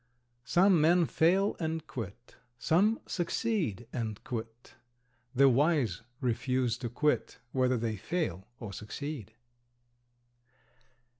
Some men fail and quit. Some succeed and quit. The wise refuse to quit, whether they fail or succeed.